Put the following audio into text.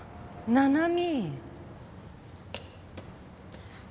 七海！